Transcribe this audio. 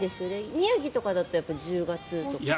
宮城とかだと１０月とかでしょ。